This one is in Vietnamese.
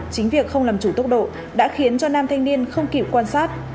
chính việc không làm chủ tốc độ đã khiến cho nam thanh niên không kịp quan sát